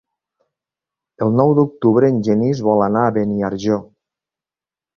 El nou d'octubre en Genís vol anar a Beniarjó.